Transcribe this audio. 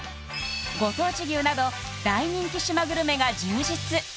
ご当地牛など大人気島グルメが充実